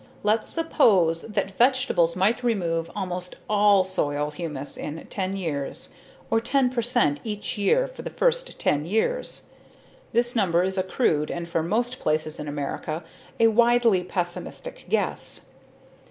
Let's suppose that vegetables might remove almost all soil humus in ten years, or 10 percent each year for the first few years. This number is a crude. and for most places in America, a wildly pessimistic guess.